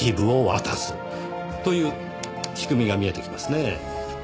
という仕組みが見えてきますね。